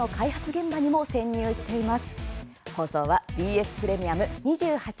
現場にも潜入しています。